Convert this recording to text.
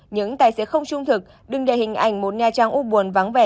những tài xế không trung thực đừng để hình ảnh một nha trang ú buồn vắng vẻ